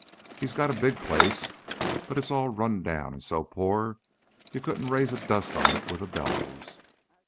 He's got a big place, but it's all run down and so poor you couldn't raise a dust on it with a bellows.